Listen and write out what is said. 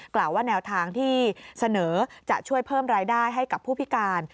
กล่าวว่าแนวทางที่เสนอจะช่วยเพิ่มรายได้ให้กับผู้พิการ